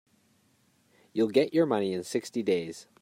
You'll get your money in sixty days.